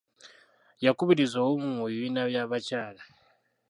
Yakubiriza obumu mu bibiina by'abakyala.